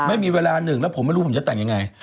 ไม่มีเวลาหนึ่งแล้วผมไม่รู้ผมจะแต่งยังไง